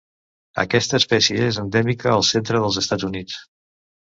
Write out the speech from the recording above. Aquesta espècie és endèmica al centre dels Estats Units.